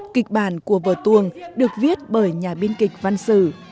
kịch bản của vở tuồng được viết bởi nhà biên kịch văn sử